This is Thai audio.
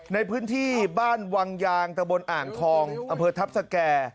ในพื้นที่บ้านวังยางตะบนอ่างทองอำเภอทัพสแก่